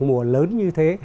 mùa lớn như thế